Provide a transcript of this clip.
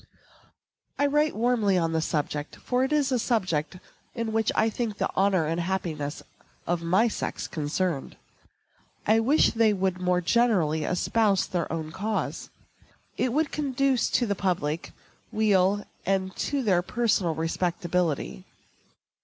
I write warmly on the subject; for it is a subject in which I think the honor and happiness of my sex concerned. I wish they would more generally espouse their own cause. It would conduce to the public, weal, and to their personal respectability.